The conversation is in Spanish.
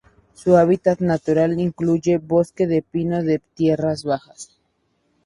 Su hábitat natural incluye bosque de pino de tierras bajas.